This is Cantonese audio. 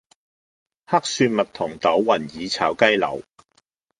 黑蒜蜜糖豆雲耳炒雞柳